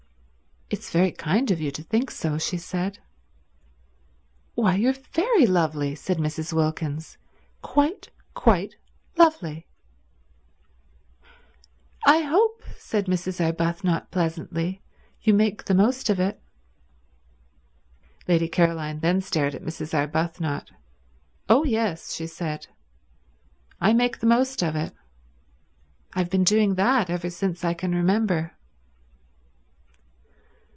"It's very kind of you to think so," she said. "Why, you're very lovely," said Mrs. Wilkins. "Quite, quite lovely." "I hope," said Mrs. Arbuthnot pleasantly, "you make the most of it." Lady Caroline then stared at Mrs. Arbuthnot. "Oh yes," she said. "I make the most of it. I've been doing that ever since I can remember."